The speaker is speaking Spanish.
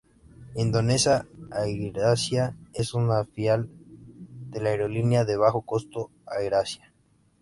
Indonesia AirAsia es una filial de la aerolínea de bajo costo AirAsia.